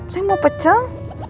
saya mau pecel